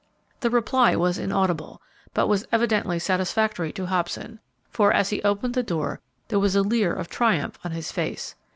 The reply was inaudible, but was evidently satisfactory to Hobson, for, as he opened the door, there was a leer of triumph on his face.